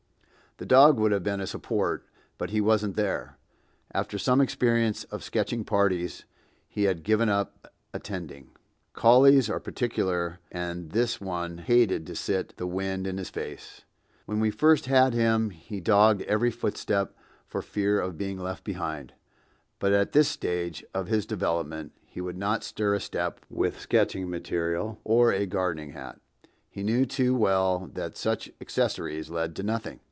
The dog would have been a support, but he wasn't there. After some experience of sketching parties, he had given up attending. Collies are particular, and this one hated to sit with the wind in his face. When we first had him, he dogged every footstep for fear of being left behind, but at this stage of his development he would not stir a step with sketching material or a gardening hat; he knew too well that such accessories led to nothing.